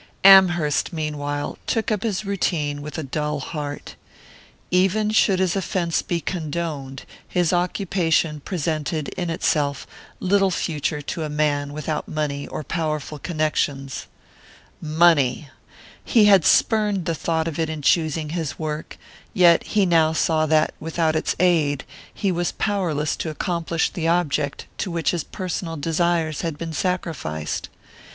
Amherst, meanwhile, took up his routine with a dull heart. Even should his offense be condoned, his occupation presented, in itself, little future to a man without money or powerful connections. Money! He had spurned the thought of it in choosing his work, yet he now saw that, without its aid, he was powerless to accomplish the object to which his personal desires had been sacrificed.